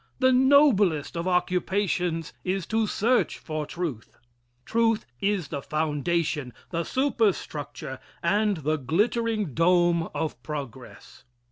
The noblest of occupations is to search for truth. Truth is the foundation, the superstructure, and the glittering dome of progress.